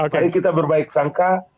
mari kita berbaik sangka